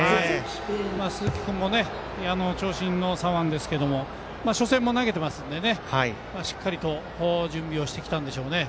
鈴木君も長身の左腕ですけど初戦も投げてますんでしっかりと準備をしてきたんでしょうね。